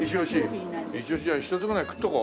じゃあ１つぐらい食っとこう。